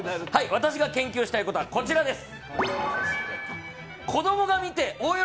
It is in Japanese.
私が研究したいことは、こちらです